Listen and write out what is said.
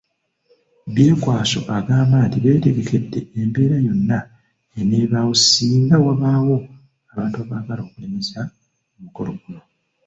Byekwaso agamba nti beetegekedde embeera yonna eneebaawo singa wabaayo abantu abaagala okulemesa omukolo guno.